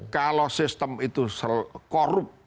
kalau sistem itu korup